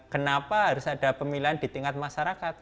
kenapa harus ada pemilihan di tingkat masyarakat